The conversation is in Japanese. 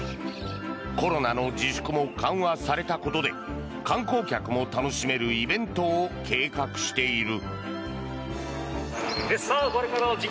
コロナの自粛も緩和されたことで観光客も楽しめるイベントを計画している。